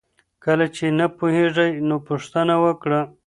کله چي نه پوهیږې نو پوښتنه وکړه.